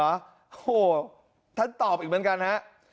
โอ้โหท่านตอบอีกเหมือนกันฮะ